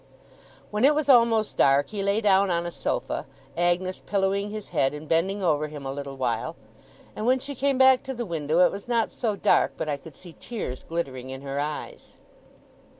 When it was almost dark, he lay down on a sofa, Agnes pillowing his head and bending over him a little while; and when she came back to the window, it was not so dark but I could see tears glittering in her eyes.